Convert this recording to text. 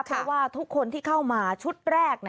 เพราะว่าทุกคนที่เข้ามาชุดแรก